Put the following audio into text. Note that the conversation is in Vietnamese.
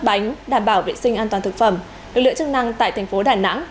bánh đảm bảo vệ sinh an toàn thực phẩm lực lượng chức năng tại thành phố đà nẵng